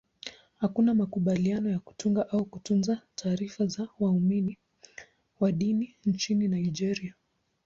Hakuna makubaliano ya kutunga au kutunza taarifa za waumini wa dini nchini Nigeria.